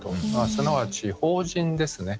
すなわち、法人ですね。